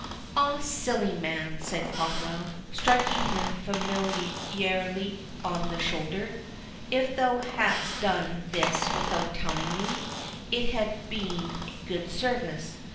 "Ah, silly man," said Cromwell, striking him familiarly on the shoulder; "if thou hadst done this without telling me, it had been good service.